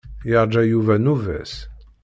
Yeṛǧa Yuba nnuba-s.